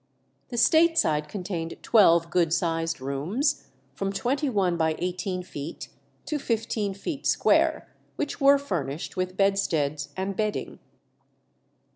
The state side contained twelve good sized rooms, from twenty one by eighteen feet to fifteen feet square, which were furnished with bedsteads and bedding.